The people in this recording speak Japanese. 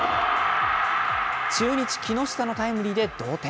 中日、木下のタイムリーで同点。